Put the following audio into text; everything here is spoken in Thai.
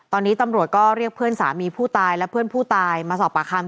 ตอนนี้ตำรวจก็เรียกเพื่อนสามีผู้ตายและเพื่อนผู้ตายมาสอบปากคำ